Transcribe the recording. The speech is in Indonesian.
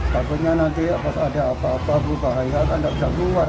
takutnya nanti pas ada apa apa perubahan kan tidak bisa keluar